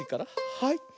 はい。